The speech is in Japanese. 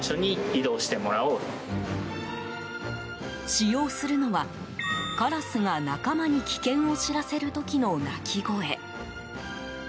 使用するのは、カラスが仲間に危険を知らせる時の鳴き声。